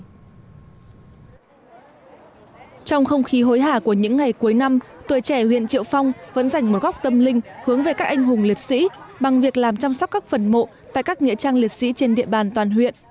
trong không khí hối hả của những ngày cuối năm tuổi trẻ huyện triệu phong vẫn dành một góc tâm linh hướng về các anh hùng liệt sĩ bằng việc làm chăm sóc các phần mộ tại các nghệ trang liệt sĩ trên địa bàn toàn huyện